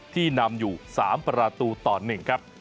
ที่นำอยู่๓ประตูต่อ๑ครับ